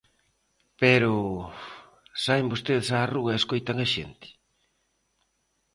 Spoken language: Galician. Pero ¿saen vostedes á rúa e escoitan a xente?